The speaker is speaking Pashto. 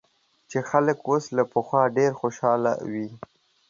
چې خلک اوس له پخوا ډېر خوشاله وي